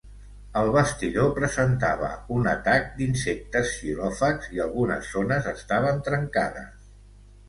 El bastidor presentava un atac d'insectes xilòfags i algunes zones estaven trencades.